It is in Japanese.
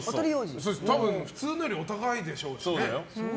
多分、普通のよりお高いでしょうしね。